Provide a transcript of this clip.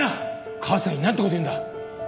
母さんになんて事言うんだ。